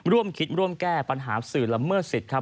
ร่วมคิดร่วมแก้ปัญหาสื่อละเมิดสิทธิ์ครับ